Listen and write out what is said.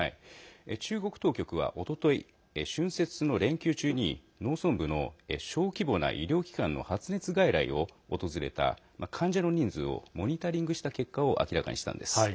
中国当局は、おととい春節の連休中に農村部の小規模な医療機関の発熱外来を訪れた患者の人数をモニタリングした結果を明らかにしたんです。